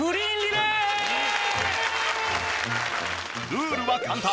ルールは簡単。